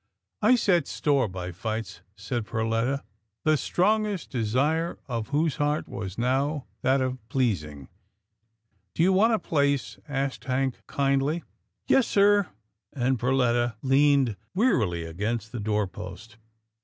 " I set store by fights," said Perletta, the strongest desire of whose heart was now that of pleasing. " Do you want a place? " asked Hank kindly. " Yes, sir," and Perletta leaned wearily against the door post.